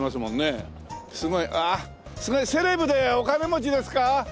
すごいああセレブでお金持ちですか？